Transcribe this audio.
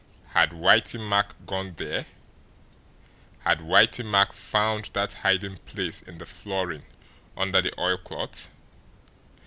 Had Whitey Mack gone there? Had Whitey Mack found that hiding place in the flooring under the oilcloth?